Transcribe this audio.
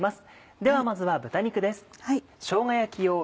ではまずは豚肉です。